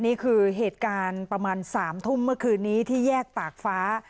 นี่คือเหตุการณ์ประมาณ๓ทุ่มเมื่อคืนนี้ที่แยกตากฟ้า